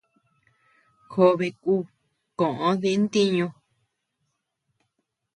Jobe ku koʼo di ntiñu.